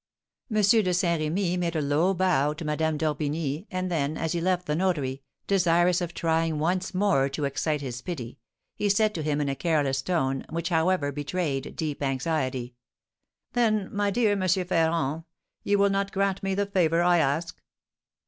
M. de Saint Remy made a low bow to Madame d'Orbigny, and then, as he left the notary, desirous of trying once more to excite his pity, he said to him, in a careless tone, which, however, betrayed deep anxiety: "Then, my dear M. Ferrand, you will not grant me the favour I ask?"